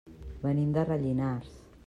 Venim de Rellinars.